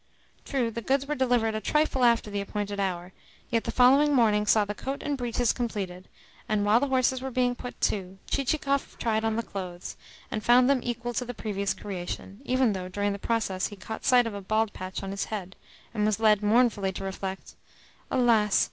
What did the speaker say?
True, the goods were delivered a trifle after the appointed hour, yet the following morning saw the coat and breeches completed; and while the horses were being put to, Chichikov tried on the clothes, and found them equal to the previous creation, even though during the process he caught sight of a bald patch on his head, and was led mournfully to reflect: "Alas!